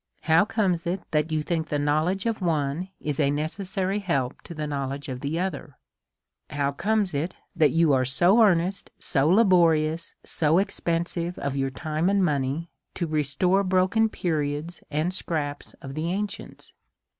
How comes it that you think the knowledge of one is a necessary help to the knowledge of tlie other ? How comes it that you are so earnest, so la borious, so expensive of time and your money, to re store broken periods and scraps of the ancients?